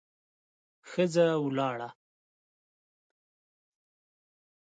ښځه ولاړه.